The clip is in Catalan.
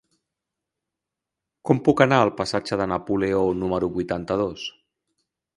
Com puc anar al passatge de Napoleó número vuitanta-dos?